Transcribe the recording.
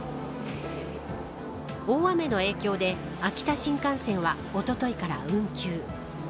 大雨の影響で秋田新幹線はおとといから運休。